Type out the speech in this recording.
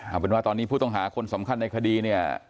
เอาเป็นว่าตอนนี้ผู้ต้องหาคนสำคัญในคดีเนี่ย